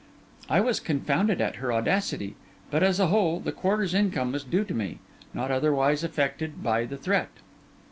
I was confounded at her audacity, but as a whole quarter's income was due to me, not otherwise affected by the threat.